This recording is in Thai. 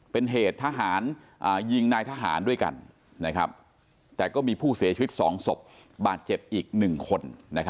เป็นเหตุทหารยิงนายทหารด้วยกันแต่ก็มีผู้เสียชีวิต๒ศพบาดเจ็บอีก๑คน